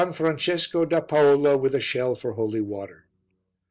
Francesco da Paola, with a shell for holy water.